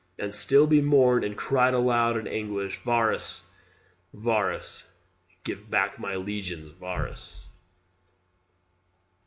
And still be mourned And cried aloud in anguish "Varus! Varus! Give back my legions, Varus!"